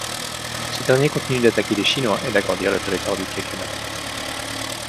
Ce dernier continue d'attaquer les Chinois et d'agrandir le territoire du Khaganat.